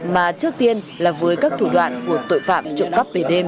mà trước tiên là với các thủ đoạn của tội phạm trộm cắp về đêm